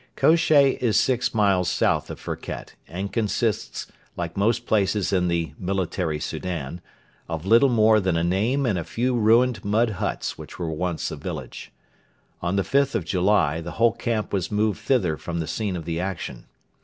Kosheh is six miles south of Firket, and consists, like most places in the 'Military Soudan,' of little more than a name and a few ruined mud huts which were once a village. On the 5th of July the whole camp was moved thither from the scene of the action.